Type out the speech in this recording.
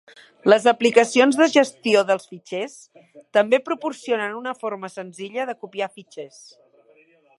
Les aplicacions de gestió de fitxers també proporcionen una forma senzilla de copiar fitxers.